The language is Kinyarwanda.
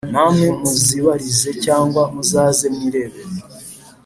namwe muzibarize cyangwa muzaze mwirebere